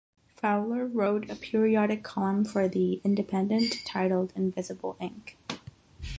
Fowler wrote a periodic column for "The Independent" titled "Invisible Ink".